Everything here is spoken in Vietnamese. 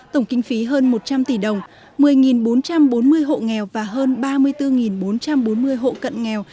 tổng kinh phí hơn một trăm linh tỷ đồng một mươi bốn trăm bốn mươi hộ nghèo và hơn ba mươi bốn bốn trăm bốn mươi hộ cận nghèo